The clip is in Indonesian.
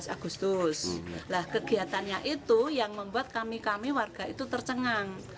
tujuh belas agustus nah kegiatannya itu yang membuat kami kami warga itu tercengang